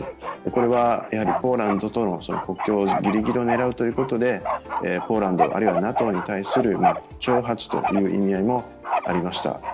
これはポーランドとの国境ぎりぎりを狙うということでポーランドあるいはＮＡＴＯに対する挑発という意味合いもありました。